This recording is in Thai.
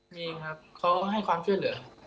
มีครับเขาให้ความช่วยเหลือ